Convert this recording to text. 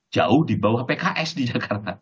jauh di bawah pks di jakarta